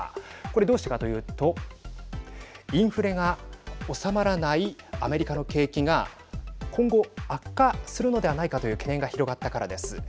これどうしてかというとインフレが収まらないアメリカの景気が今後、悪化するのではないかという懸念が広がったからです。